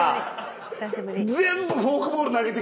久しぶり。